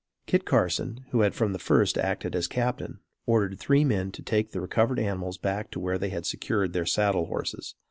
Kit Carson, who had from the first acted as captain, ordered three men to take the recovered animals back to where they had secured their saddle horses.